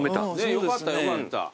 よかったよかった。